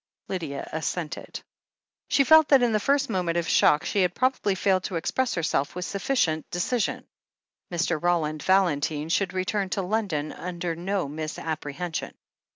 Lydia assented. She felt that in the first moment of shock she had probably failed to express herself with sufficient de cision. Mr. Roland Valentine should return to Lon don under no misapprehension.